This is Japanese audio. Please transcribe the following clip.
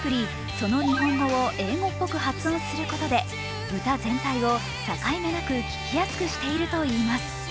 その日本語を英語っぽく発音することで歌全体を境目なく、聴きやすくしているといいます。